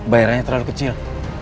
bayarannya terlalu kecil